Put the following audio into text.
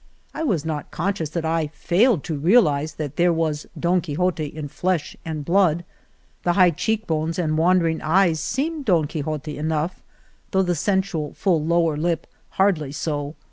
I was not con scious that I failed to realize that there was Don Quixote in flesh and blood. The high 55 Argamasilla cheek bones and wandering eyes seemed Don Quixote enough, though the sensual full lower lip hardly so.